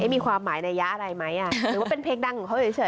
มีความหมายในยะอะไรไหมหรือว่าเป็นเพลงดังของเขาเฉย